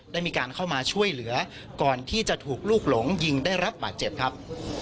ได้มีการเข้ามาช่วยเหลือก่อนที่จะถูกลูกหลงยิงได้รับบาดเจ็บครับ